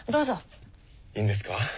いいんですか？